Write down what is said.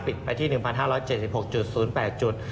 ไปที่๑๕๗๖๐๘จุด